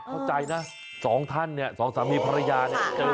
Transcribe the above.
เข้าใจนะสองท่านเนี่ยสองสามีภรรยาเนี่ยเจอ